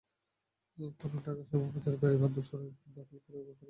পুরান ঢাকার শ্যামবাজারের বেড়িবাঁধ সড়ক দখল করে আবার বসছে অস্থায়ী কাঁচামালের দোকান।